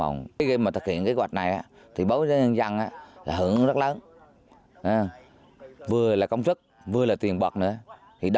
những năm gần đây